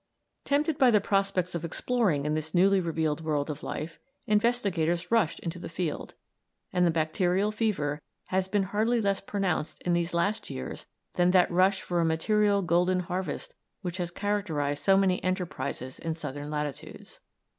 Tempted by the prospects of exploring in this newly revealed world of life, investigators rushed into the field, and the bacterial fever has been hardly less pronounced in these last years than that rush for a material golden harvest which has characterised so many enterprises in southern latitudes.